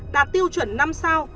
đạt tiêu chuẩn năm sao